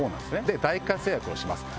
で大活躍をします。